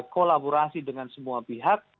kolaborasi dengan semua pihak